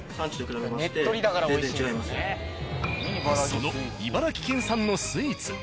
その茨城県産のスイーツ。